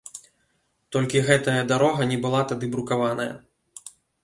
Толькі гэтая дарога не была тады брукаваная.